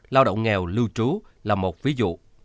lao động nghèo lưu trú là một ví dụ